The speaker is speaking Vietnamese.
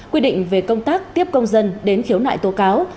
quy định về công tác tiếp công dân đến khiếu nại tố cáo